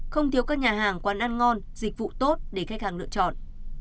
không thiếu các nhà hàng quán ăn ngon dịch vụ tốt để khách hàng lựa chọn